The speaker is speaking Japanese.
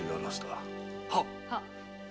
はっ。